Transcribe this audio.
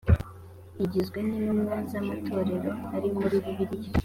igizwe n’intumwa z’amatorero ari muri bibiliya